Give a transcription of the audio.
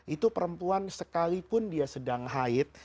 itu perempuan sekalipun dia sedang haid